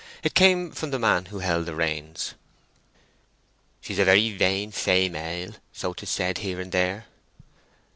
It came from the man who held the reins. "She's a very vain feymell—so 'tis said here and there."